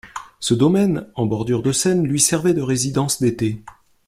Ce domaine en bordure de Seine lui servait de résidence d'été.